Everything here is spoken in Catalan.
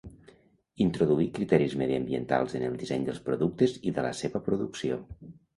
Introduir criteris mediambientals en el disseny dels productes i de la seva producció.